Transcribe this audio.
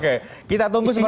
isinya bagus semua